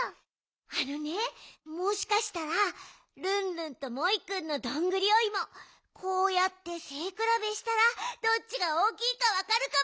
あのねもしかしたらルンルンとモイくんのどんぐりおいもこうやってせいくらべしたらどっちがおおきいかわかるかも！